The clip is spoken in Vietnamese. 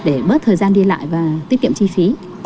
để bớt thời gian đi lại và tiết kiệm chi phí